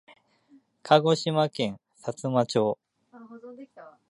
鹿児島県さつま町